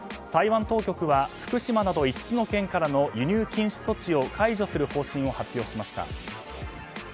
台湾当局は福島など５つの県からの輸入禁止措置を解除する方針を発表しました。